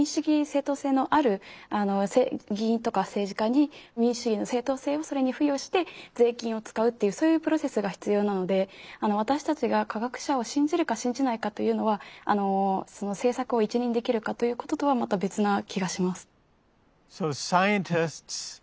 正統性のある議員とか政治家に民主主義の正統性をそれに付与して税金を使うっていうそういうプロセスが必要なのであの私たちが科学者を信じるか信じないかというのはその政策を一任できるかということとはまた別な気がします。